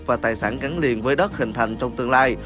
và tài sản gắn liền với đất hình thành trong tương lai